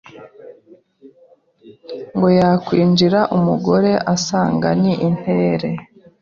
Ngo yakwinjira umugore asanga ni intere,